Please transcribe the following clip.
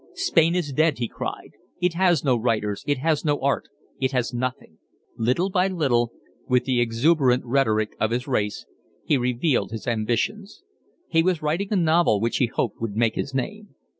"Spain is dead," he cried. "It has no writers, it has no art, it has nothing." Little by little, with the exuberant rhetoric of his race, he revealed his ambitions. He was writing a novel which he hoped would make his name.